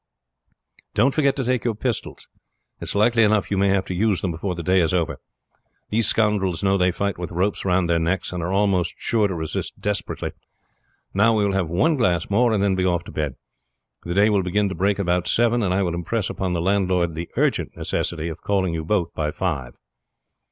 "Don't forget to take your pistols; it is likely enough you may have to use them before the day is over. These scoundrels know they fight with ropes round their necks, and are almost sure to resist desperately. Now we will have one glass more, and then be off to bed. The day will begin to break about seven, and I will impress upon the landlord the urgent necessity of calling you both by five."